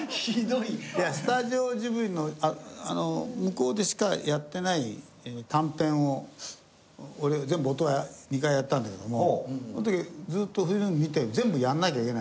いやスタジオジブリの向こうでしかやってない短編を俺が全部音２回やったんだけどもその時ずっとフィルム見て全部やらなきゃいけない。